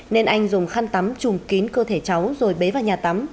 nên anh dùng khăn tắm chùm kín cơ thể cháu rồi bế vào nhà tắm